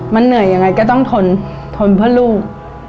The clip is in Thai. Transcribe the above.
มันเหนื่อยอย่างไรก็ต้องทนเดี๋ยวลูก